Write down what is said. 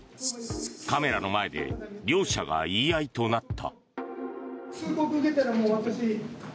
カメラの前で両者が言い合いとなった。